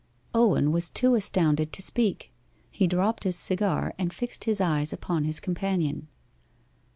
Owen was too astounded to speak. He dropped his cigar, and fixed his eyes upon his companion.